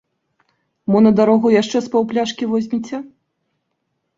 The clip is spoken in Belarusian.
Мо на дарогу яшчэ з паўпляшкі возьмеце?